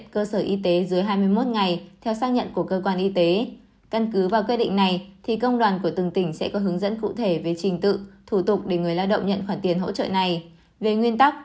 có xác nhận của cơ sở y tế sẽ được hưởng chế độ ốm đau theo điều hai mươi năm luật bảo hiểm xã hội